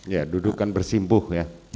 ya duduk kan bersimbuh ya